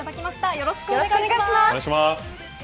よろしくお願いします。